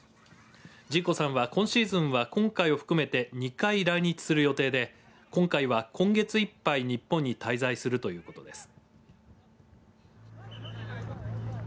ジーコさんは今シーズンは今回を含めて２回来日する予定で今回は今月いっぱい日本に滞在するということです。